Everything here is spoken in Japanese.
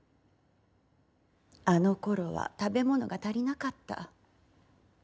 あのころは食べ物が足りなかった。